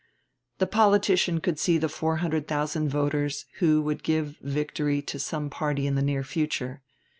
The politician could see the four hundred thousand voters who would give victory to some party in the near future.